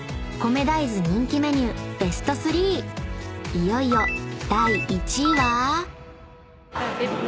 ［いよいよ第１位は］